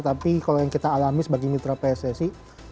tapi kalau yang kita alami sebagai mitra pssi